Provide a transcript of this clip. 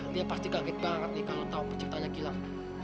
lia pasti kaget banget nih kalo tau penciptanya kilang